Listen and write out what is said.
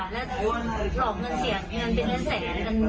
และถึงหลอกเงินเสียเงินเป็นเงินเสีย